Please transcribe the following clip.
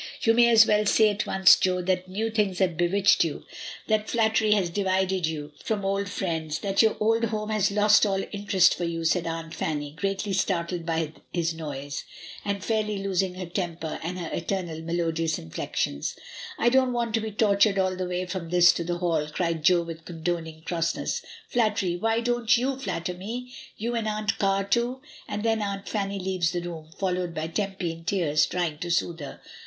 "You may as well say at once, Jo, that new things have bewitched you, that flattery has divided 44 MRS. DYMONB. you from old friends, that your old home has lost all interest for you," said Aunt Fanny, greatly startled by his noise, and fairly losing her temper and her eternal melodious inflexions. "I don't want to be tortured all the way from this to the Hall," cried Jo with condoning crossness. "Flattery! why, don't ^'^w flatter me? you and Aunt Car too?" And then Aunt Fanny leaves the room, followed by Tempy in tears trying to soothe her.